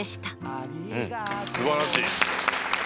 うんすばらしい。